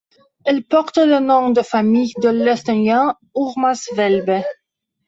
Elle porte le nom de famille de l'Estonien Urmas Välbe.